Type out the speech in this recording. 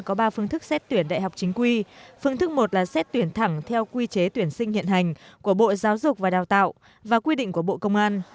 có ba phương thức xét tuyển đại học chính quy phương thức một là xét tuyển thẳng theo quy chế tuyển sinh hiện hành của bộ giáo dục và đào tạo và quy định của bộ công an